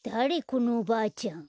このおばあちゃん。